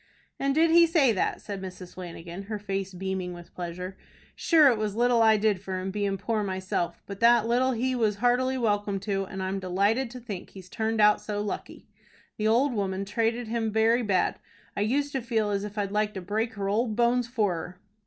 "And did he say that?" said Mrs. Flanagan, her face beaming with pleasure. "Shure it was little I did for him, bein' poor myself; but that little he was heartily welcome to, and I'm delighted to think he's turned out so lucky. The ould woman trated him very bad. I used to feel as if I'd like to break her ould bones for her."